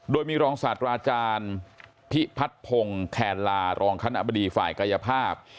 โดยมีรองศาสตราจารย์พิพัฒนพงศ์แคนลารองคณะบดีฝ่ายกายภาพ